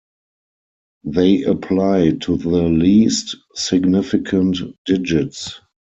They apply to the least significant digits.